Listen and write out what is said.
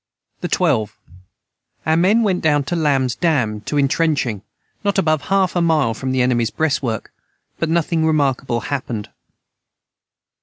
the 12. Our men went down to Lambs Dam to entrenching not above half a mile from the enemys brest work but nothing remarkable hapened.